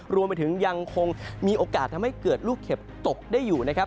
รวมไปถึงยังคงมีโอกาสทำให้เกิดลูกเห็บตกได้อยู่นะครับ